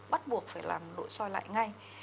bắt buộc phải làm nội soi lại ngay